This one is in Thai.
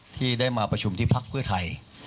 ที่ได้มาประชุมที่พักเพื่อไทย